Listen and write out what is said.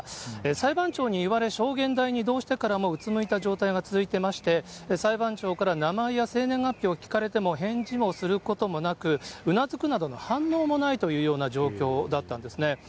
裁判長に言われ、証言台に移動してからもうつむいた状態が続いてまして、裁判長から名前や生年月日を聞かれても返事もすることもなく、うなずくなどの反応もないというような状況だったんですね。